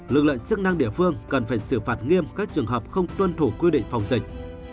lực lượng chức năng địa phương cần phải xử phạt nghiêm các trường hợp không tuân thủ quy định phòng dịch